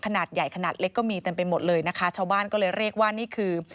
ขนาดใหญ่ขนาดเล็กก็มีเต็มไปหมดเลยนะคะชาวบ้านก็เลยเรียกว่านี่คือ